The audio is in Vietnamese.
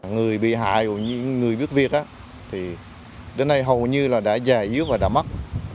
người bị hại người bước việc đến nay hầu như đã già yếu và đã mất